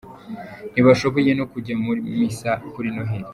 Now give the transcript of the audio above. Ntibashoboye no kujya mu misa kuri Noheli.